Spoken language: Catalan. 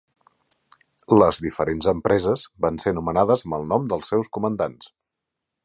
Les diferents empreses van ser anomenades amb el nom dels seus comandants.